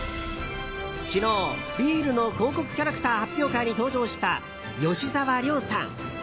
昨日、ビールの広告キャラクター発表会に登場した吉沢亮さん。